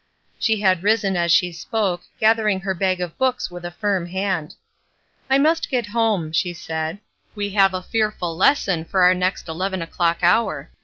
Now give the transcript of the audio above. She had risen as she spoke, gathering her bag of books with a firm hand. ''I must get home," she said. "We have a fearful lesson for our next eleven o'clock hour.